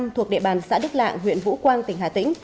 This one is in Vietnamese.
thuộc địa bàn xã đức lạng huyện vũ quang tỉnh hà tĩnh